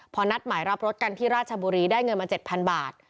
พอนัดหมายรับรถกันที่ราชบุรีได้เงินมา๗๐๐บาท